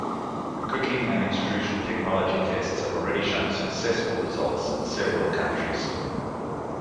The cooking and extrusion technology tests have already shown successful results in several countries.